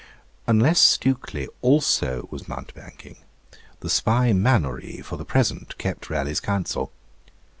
Unless Stukely also was mountebanking, the spy Mannourie for the present kept Raleigh's counsel.